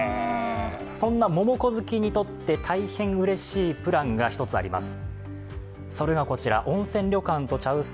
そんなモモコ好きにとって大変うれしいプランが１つあります。